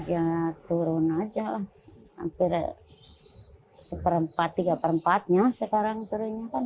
ya turun aja lah hampir seperempat tiga per empatnya sekarang turunnya kan